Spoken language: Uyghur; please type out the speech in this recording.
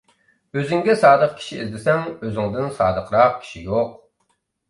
ئۆزۈڭگە سادىق كىشى ئىزدىسەڭ ئۆزۈڭدىن سادىقراق كىشى يوق.